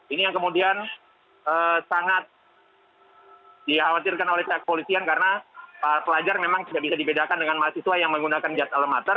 ini yang kemudian sangat dikhawatirkan oleh pihak kepolisian karena para pelajar memang tidak bisa dibedakan dengan mahasiswa yang menggunakan jad alamat